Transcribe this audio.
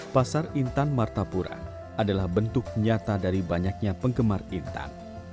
pasar intan martapura adalah bentuk nyata dari banyaknya penggemar intan